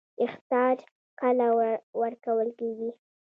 اخطار کله ورکول کیږي؟